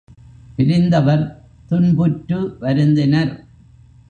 பிரிந்தவர் துன்புற்று வருந்தினர்.